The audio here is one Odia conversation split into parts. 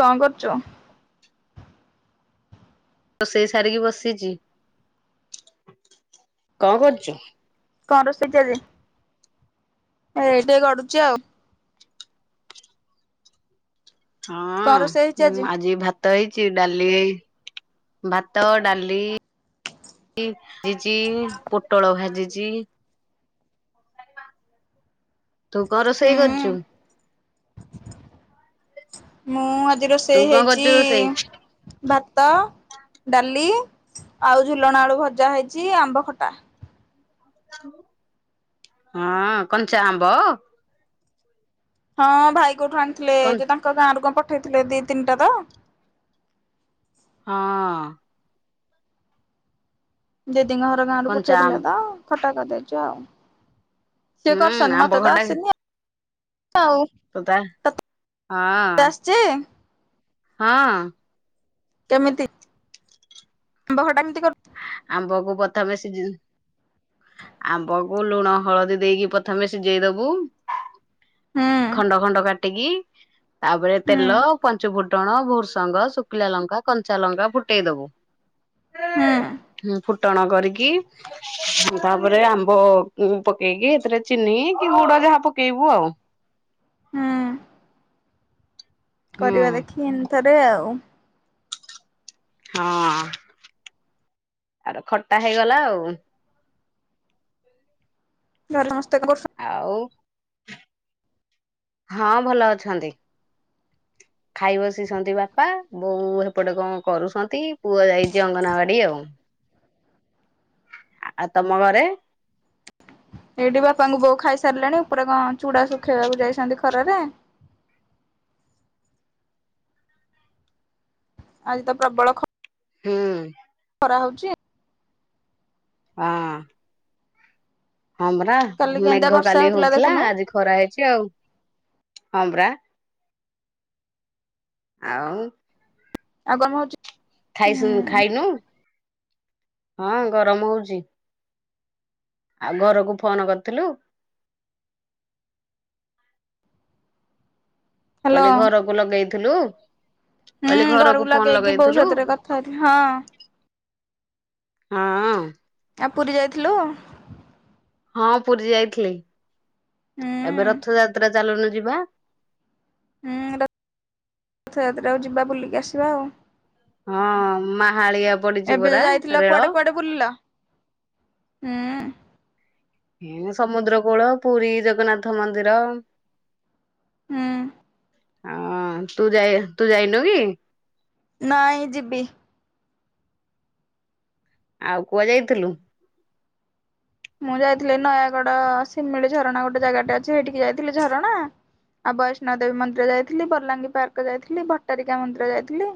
କଣ କରୁଛ? ରୋଷେଇ ସାରିକି ବସିଛି। କଣ କରୁଛୁ? କଣ ରୋଷେଇ [inaudible] ଆଜି। ଏ ଟିକେ ଗଡୁଛି ଆଉ। କଣ ରୋଷେଇ ହେଇଛି ହଁଁ ଆଜି ଭାତ। ଭାତ ହେଇଛି ଡାଲି, ଭାତ, ଡାଲି ହେଇଛି ପୋଟଳ ଭାଜିଛି। ତୁ କଁ ହୁଁ ରୋଷେଇ କରୁଚୁ? ମୁଁ ଆଜି ତୁ ରୋଷେଇ କଣ ହେଇଚି କରୁଛୁ ରୋଷେଇ? ଭାତ ଡାଲି ଆଉ ଝୁଲଣା ଆଳୁ ଭଜା ହେଇଛି ଆମ୍ବ ଖଟା। ହଁ କଞ୍ଚା ଆମ୍ବ। ହଁ ଭାଇ କୋଉଠୁ ଆଣିଥିଲେ କନ୍ ଯୋଉ ତାଙ୍କ ଗାଁରୁ କଣ ପଠେଇଥିଲେ ଦି ତିନିଟା ତ। ହଁ। ଦିଦିଙ୍କ ଘର ଗାଁରୁ କଞ୍ଚା ପଠେଇଥିଲା ଆମ୍ବ ତ ଖଟା କରିଦେଇଛୁ ଆଉ। ସିଏ ହୁଁ କରସଛନ୍ତି ଆମ୍ବ ମତେ ତ ଆସନି ଆଉ। ତତେ ଆ ହଁ। ଯେ ହଁ। କେମିତିବହ ଟା କେମିତି କର। ଆମ୍ବ କୁ ପ୍ରଥମେ ସିଯେ ଆମ୍ବକୁ ଲୁଣ ହଳଦୀ ଦେଇକି ପ୍ରଥମେ ସିଝେଇ ଦବୁ। ହୁଁ ଖଣ୍ଡ ଖଣ୍ଡ କାଟିକି ତାପରେ ହୁଁ ତେଲ ପଞ୍ଚୁ ଫୁଟଣ ଭୁର୍ସଙ୍ଗ ଶୁଖିଲା ଲଙ୍କା କଞ୍ଚା ଲଙ୍କା ଫୁଟେଇ ଦବୁ। ହୁଁ ଫୁଟଣ କରିକି ତାପରେ ଆମ୍ବ ପକେଇକି ଏଥିରେ ଚିନି କି ଗୁଡ଼ ଯାହା ପକେଇବୁ ଆଉ। ହୁଁ। ହୁଁ କରିବା ଦେଖିକିନି ଥରେ ଆଉ। ହଁ ଆର ଖଟା ହେଇଗଲା ଆଉ। ଘରେ ସମସ୍ତେ କଣ କ ଆଉ ହଁ ଭଲ ଅଛନ୍ତି? ଖାଇ ବସିଛନ୍ତି ବାପା, ବୋଉ ଏପଟେ କଣ କରୁଛନ୍ତି ପୁଅ ଯାଇଚି ଅଙ୍ଗନବାଡ଼ି ଆଉ। ଆଉ ତମ ଘରେ? ଏଇଠି ବାପାଙ୍କୁ ବୋଉ ଖାଇସାରିଲେଣି ଉପରେ କଣ ଚୁଡା ଶୁଖେଇବାକୁ ଯାଇଚନ୍ତି ଖରାରେ। ଆଜିତ ପ୍ରବଳ ଖ ହୁଁ। ଖରା ହଉଚି। ହଁ। ହଁ ପରା କାଲି କେମିତିଆ ମେଘ ବର୍ଷା କାଲି ହଉଥିଲା, ଦେଖୁନୁ ଆଜି ଖରା ହେଇଚି ଆଉ ହଁ ପରା। ଆଉ। ଆଉ ଗମ୍ ହଉଚି ଖାଇସୁ ଖାଇନୁ, ହଁ ଗରମ ହଉଚି। ଆଉ ଘରକୁ ଫୋନ୍ କରିଥିଲୁ? ହ୍ୟାଲୋ କହିଲି ଘରକୁ ଲଗେଇଥିଲୁ? ହୁଁ କହିଲି ଘରକୁ ଫୋନ୍ ଲଗେଇକି ଲଗେଇ ବୋଉ ଥିଲୁ? ସାଥିରେ କଥା ହେଇଥିଲି ହଁ। ହଁ। ଆ ପୁରୀ ଯାଇଥିଲୁ? ହଁ ପୁରୀ ଯାଇଥିଲି ଏବେ ରଥଯାତ୍ରା ଚାଲୁନୁ ଯିବା। ହୁଁ ରଥଯାତ୍ରାକୁ ଯିବା ବୁଲିକି ଆସିବା ଆଉ। ହଁ ମାହାଳିଆ ପଡ଼ିଚି ପରା ରେଳ। ପୂର୍ଲ ହୁଁ। ମୁଁ ସମୁଦ୍ର କୂଳ, ପୁରୀ ଜଗନ୍ନାଥ ମନ୍ଦିର ହୁଁ। ଅଁ ତୁ ଯାଇ ତୁ ଯାଇନୁ କି? ନାଇଁ ଯିବି। ଆଉ କୁଆ ଯାଇଥିଲୁ? ମୁଁ ଯାଇଥିଲି ନୟାଗଡ଼ ସିମିଳି ଝରଣା ଗୋଟେ ଜାଗାଟେ ଅଛି ହେଇଠିକି ଯାଇଥିଲି ଝରଣା। ଆଉ ବୈଷ୍ଣ ଦେବୀ ମନ୍ଦିର ଯାଇଥିଲି, ବଲାଙ୍ଗୀ ପାର୍କ ଯାଇଥିଲି, ଭଟ୍ଟାରିକା ମନ୍ଦିର ଯାଇଥିଲି।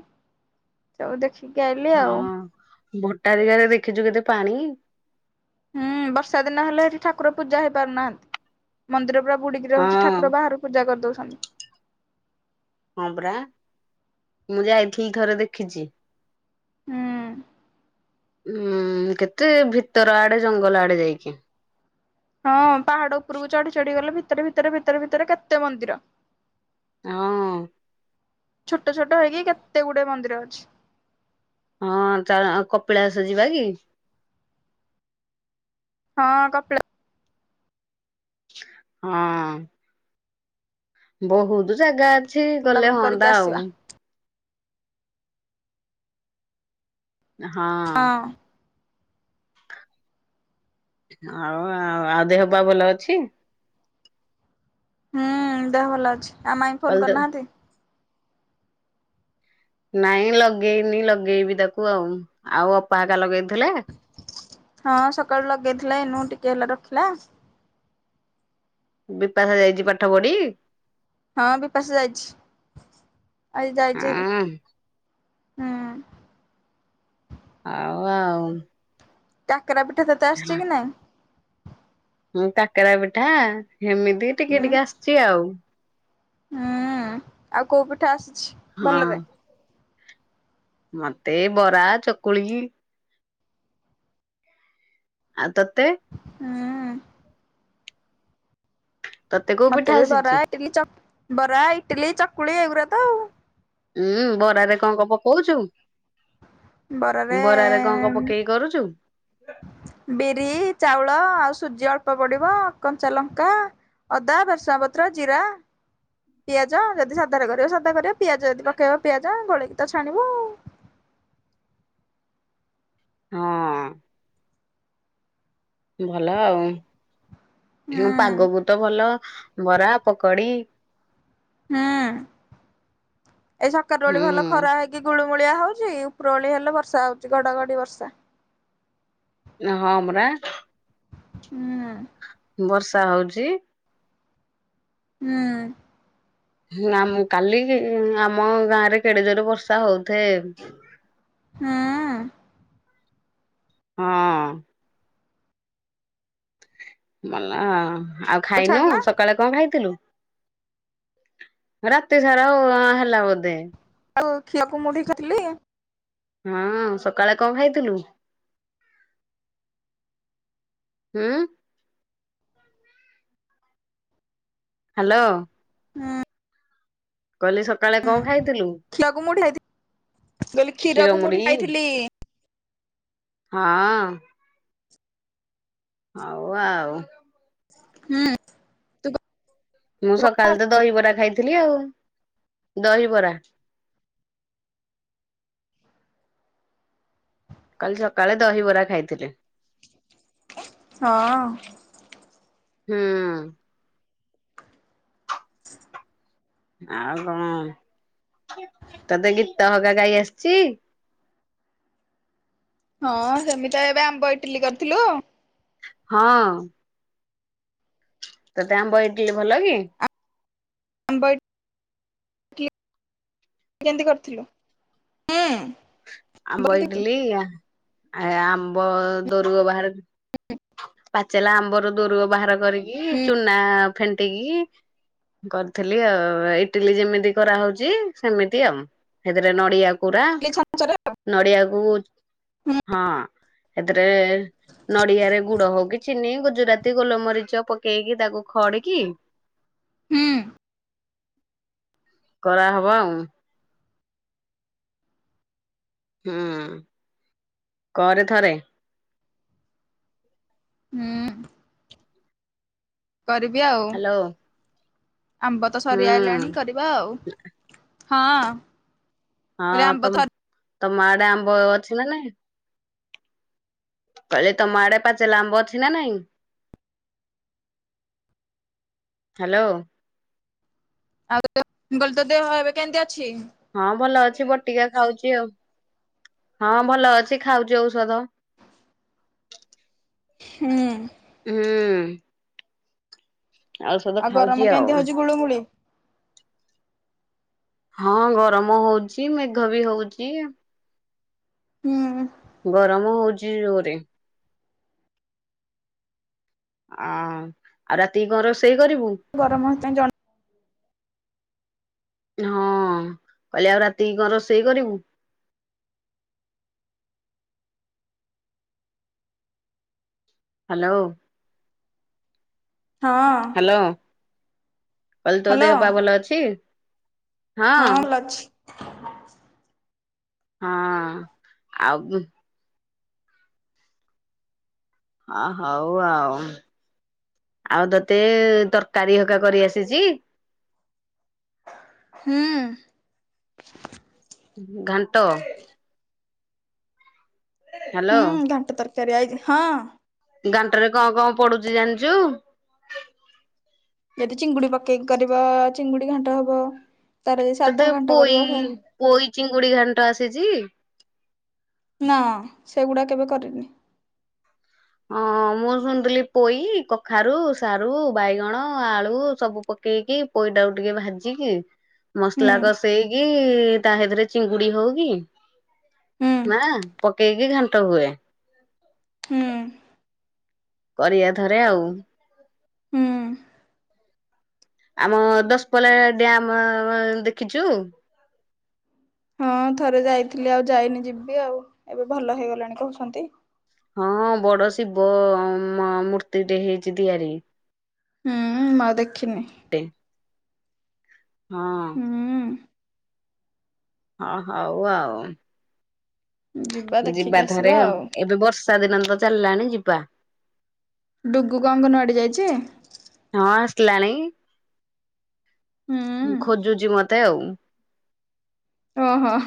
ସବୁ ଦେଖିକି ଆଇଲି ଆଉ। ଭଟ୍ଟାରିକାରେ ଦେଖିଚୁ କେତେ ପାଣି? ହୁଁ ବର୍ଷା ଦିନ ହେଲେ ହେଠି ଠାକୁର ପୂଜା ହେଇ ପାରୁନାହାନ୍ତି ମନ୍ଦିର ପୁରା ବୁଡିକି ହଁ ରହୁଚି ଠାକୁର ବାହାରୁ ପୂଜା କରିଦଉଛନ୍ତି। ହଁ ପରା ମୁଁ ଯାଇଥିଲି ଥରେ ଦେଖିଚି। ହୁଁ। ହୁଁ କେତେ ଭିତର ଆଡେ ଜଙ୍ଗଲ ଆଡେ ଯାଇକି। ହଁ ପାହାଡ ଉପରକୁ ଚଢି ଚଢି ଗଲେ ଭିତରେ- ଭିତରେ-ଭିତରେ-ଭିତରେ କେତେ ମନ୍ଦିର। ହଁ। ଛୋଟ ଛୋଟ ହେଇକି କେତେ ଗୁଡେ ମନ୍ଦିର ଅଛି। ହଁ ଚା କପିଳାସ ଯିବା କି? ହଁ କପିଳା ହଁ। ବହୁତୁ ଜାଗା ଅଛି ଗଲେ ବୁଲାବୁଲି କରିକି ହଅନ୍ତା ଆଉ। ଆସିବା ହଁ। ହଁ ଆଉ ଆଉ ଆଉ ଦେହ ପା ଭଲ ଅଛି? ହୁଁ ଦେହ ଭଲ ଅଛି, ଆଉ ମାଇଁ କାଲି ଫୋନ ତ କରିନାହାନ୍ତି? ନାଇଁ ଲଗେଇନି ଲଗେଇବି ତାକୁ ଆଉ, ଆଉ ଅପା ହେକା ଲଗେଇଥିଲେ? ହଁ ସକାଳୁ ଲଗେଇଥିଲେ ଏଇନୁ ଟିକିଏ ହେଲା ରଖିଲା। ବିପାଶା ଯାଇଚି ପାଠ ପଢି? ହଁ ବିପାଶା ଯାଇଛି ଆଜି ଯାଇଛି ହାରି। ହଁ ଆଉ ଆଉ। କାକରା ପିଠା ତତେ ଆସିଛି କି ନାଇଁ? ମୁଁ କାକେରା ପିଠା ହେମିତି ଟିକେ ହୁଁ ଟିକେ ଆସିଚି ଆଉ। ହୁଁ ଆଉ କୋଉ ପିଠା ଆସିଛି? ହଁ। ଭଲରେ? ମତେ ଏ ବରା ଚକୁଳି ହି। ଆଉ ତତେ? ହୁଁ। ତତେ କୋଉ ମତେ ପିଠା ବି ବରା, ଆସିଛି? ଇଟିଲି, ଚପ୍, ବରା, ଇଟିଲି, ଚକୁଳି ଏଗୁୁରା ତ ଆଉ। ଉୁଁ ବରାରେ କଣ କଣ ପକଉଚୁ? ବରାରେ କଣ କଣ ପକେଇକି କରୁଚୁ? ବିରି ଚାଉଳ ଆଉ ସୁଜି ଅଳ୍ପ ପଡିବ କଞ୍ଚା ଲଙ୍କା। ଅଦା, ଭେରସୁଂଗା ପତ୍ର, ଜିରା। ପିଆଜ ଯଦି ସାଧାରେ କରିବ ସାଧା କରିବ ପିଆଜ ଯଦି ପକେଇବ ପିଆଜ ଗୋଳେଇକି ତ ଛାଣିବ ଆଉ। ହଁ। ଭଲ ଆଉ ହୁଁ ପାଗକୁ ତ ଭଲ ବରା, ପକଡି। ହୁଁ ଏ ସକାଳ ବୋଳି ଭଲ ଖରା ହୁଁ ହେଇ କି ଗୁଳୁମୁଳିଆ ହଉଛି ଉପରଉଳି ହେଲେ ବର୍ଷା ହଉଛି ଘଡଘଡି ବର୍ଷା। ହଁ ପରା। ହୁଁ ବର୍ଷା ହଉଛି। ହୁଁ ନା ମୁଁ କାଲି ଆମ ଗାଁ ରେ କେଡେ ଜୋରରେ ବର୍ଷା ହଉଥଏ ହୁଁ ହଁ ଭଲ ଆଉ, ଆଉ ଖାଇନୁ ଛାଡିଲା ସକାଳେ କଣ ଖାଇଥିଲୁ? ରାତି ସାରା ହୋହା ହେଲା ବୋଧେ। ଆଉ [unintelligible] ମୁଢି ଖାଇଥିଲି। ହଁ ସକାଳେ କଣ ଖାଇଥିଲୁ? ହୁଁ ହାଲୋ ହଁ କହିଲି ସକାଳେ କଣ ଖାଇଥିଲୁ କ୍ଷୀରକୁ ମୁଢି ଖାଇଥିଲି କହିଲି କ୍ଷୀର କ୍ଷୀରକୁ ମୁଡି ମୁଢି ଖାଇଥିଲି ହଁ। ହଉ ଆଉ। ହୁଁ ତୁ ମୁଁ ତୁ ସକାଳେ ତ ଦହିବରା ଖାଇଥିଲି ଆଉ, ଦହିବରା। କାଲି ସକାଳେ ଦହିବରା ଖାଇଥିଲି। ହଁ ହୁଁ ଆଉ କଣ ତତେ ଗୀତ ହଗା ଗାଇ ଆସିଛି? ହଁ ସେମିତି ଏବେ ଆମେ ପା ଇଟିଲି କରିଥିଲୁ। ହଁ ତତେ ଆମ୍ବ ଇଟିଲି ଭଲ କି? ଆମ୍ବ କେମିତି କରିଥିଲୁ ହୁଁ ଆମ୍ବ କେମିତି କରିଥିଲୁ? ଇଟିଲି, ଆ ଆମ୍ବ ଦରୁଗ ବାହାରେ ପାଚଲା ଆମ୍ବର ଦୋରୁଓ ବାହାର କରିକି ହୁଁ ଚୁନା ଫେଣ୍ଟିକି। କରିଥିଲି ଆଉ ଇଟିଲି ଯେମିତି କରାହଉଛି ସେମିତି ଆଉ। ସେଥିରେ ନଡିଆ କୁରା [unintelligible] ନଡ଼ିଆକୁ ହୁଁ ହଁ ସେଥିରେ ନଡ଼ିଆରେ ଗୁଡ ହଉ କି ଚିନି ଗୁଜୁରାତି ଗୋଲମରିଚ ପକେଇକି ତାକୁ ଖଡିକି ହୁଁ କରାହବ ଆଉ। ହୁଁ କରେ ଥରେ। ହୁଁ କରିବି ଆଉ, ହ୍ୟାଲୋ ଆମ୍ବ ତ ହୁଁ ସରିଆଇଲାଣି କରିବା ଆଉ। ହଁ କହିଲି ହଁ ଆମ୍ବ ତ ତମ ଆଡେ ଆମ୍ବ ଅଛି ନା ନାଇଁ? କହିଲେ ତମ ଆଡେ ପାଚିଲା ଲାମ୍ବ ଅଛି ନା ନାଇଁ? ହ୍ୟାଲୋ ଆଉ ତ ଦେହ [unintelligible] ଏବେ କେମିତି ଅଛି? ହଁ ଭଲ ଅଛି ବଟିକା ଖାଉଛି ଆଉ, ହଁ ଭଲ ଅଛି ଖାଉଛି ଔଷଧ। ହୁଁ ହୁଁ। ହୁଁ। ଆଉ ଖାଉଛି ଗରମ ଆଉ କେମିତି ହଉଛି ଗୁଳୁଗୁଳି? ହଁ ଗରମ ହଉଛି ମେଘ ବି ହଉଛି। ହୁଁ। ଗରମ ହଉଚି ଜୋରେ। ଆ ଆଉ ରାତି କି କଣ ରୋଷେଇ କରିବୁ? ଗରମ ହେତୁ ପାଇ ଯ ହଁ କହିଲି ଆଉ ରାତି କଣ ରୋଷେଇ କରିବୁ? ହ୍ୟାଲୋ। ହଁ। ହାଲୋ କହିଲି ତୋ ହ୍ୟାଲୋ ଦେହ ପା ଭଲ ଅଛି? ହଁ ଭଲ ଅଛି। ହଁ ଆଉ ହ ହଉ ଆଉ। ଆଉ ତତେ ତରକାରୀ ହେକା କରି ଆସିଛି? ହୁଁ। ଘାଣ୍ଟ। ହ୍ୟାଲୋ ହୁଁ ଘଣ୍ଟା ତରକାରୀ ଆଇଛି ହଁ। ଘାଣ୍ଟରେ କ କ ପଡୁଛି ଜାଣିଛୁ? ଯଦି ଚିଙ୍ଗୁଡି ପକେଇ କରିବ ଚିଙ୍ଗୁଡି ଘାଣ୍ଟ ହବ ତାର ଯଦି ତତେ ସାଧା ଘାଣ୍ଟ ପୋଇ କରିବ ସା ପୋଇ ଚିଙ୍ଗୁଡ଼ି ଘାଣ୍ଟ ଆସିଛି? ନା ସେଗୁଡା କେବେ କରିନି। ହଁ ମୁଁ ଶୁଣଥିଲି ପୋଇ କଖାରୁ ସାରୁ ବାଇଗଣ ଆଳୁ ସବୁ ପ ପକେଇକି ପୋଇ ଟାକୁ ଭାଜିକି ହୁଁ। ମସଲା କଷେଇ କି ତାହ ହେତିରେ ଚିଙ୍ଗୁଡି ହଉ କି ହୁଁ ମା ପକେଇକି ଘାଣ୍ଟ ହୁଏ। ହୁଁ। କରିବା ଥରେ ଆଉ। ହୁଁ ଆମ ଦଶପଲା ଡ୍ୟାମ ଦେଖିଛୁ? ହଁ ଥରେ ଯାଇଥିଲି ଆଉ ଯାଇନି ଯିବି ଆଉ ଏବେ ଭଲ ହେଇଗଲାଣି କହୁଛନ୍ତି। ହଁ ବଡ ଶିବ ମ ମୂର୍ତ୍ତିଟେ ହେଇଛି ତିଆରି। ହୁଁ ମୁଁ ଆଉ ଦେଖିନି। ଟେ ହଁ। ହୁଁ। ହଁ ହଉ ଆଉ ଯିବା ଥରେ ଆଉ ଏବେ ବର୍ଷ ବର୍ଷା ଦିନ ତ ଚାଲିଲାଣି ଯିବା। ଡୁଗୁ କଣ ଅଙ୍ଗନବାଡି ଯାଇଛି? ହଁ ଆସିଲାଣି। ହୁଁ ଖୋଜୁଛି ମତେ ଆଉ। ହଁ ହଁ।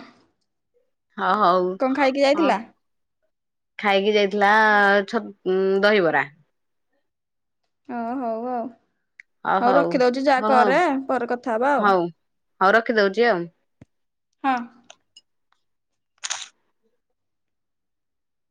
ହ ହଉ ଖାଇକି ଅ ଯାଇଥିଲା? ଖାଇକି ଯାଇଥିଲା ଛ ଦହିବରା। ଓ ହଉ ଆଉ ଅ ହଉ ରଖିଦଉଛି ଯା ହଁ ହଉ କରେ ପରେ କଥା ହବା ଆଉ। ହଉ ହଉ ରଖିଦଉଛି ଆଉ। ହଁ।